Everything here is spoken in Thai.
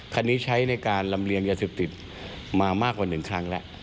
ใช้ในการลำเลียงยาเสพติดมามากกว่า๑ครั้งแล้ว